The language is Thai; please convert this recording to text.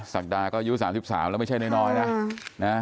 สังดายก็ยุค๓๓แล้วไม่ใช่น้อยนะ